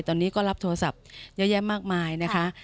ตอนนี้ก็รับโทรศัพท์เยอะแยะมากมายนะคะ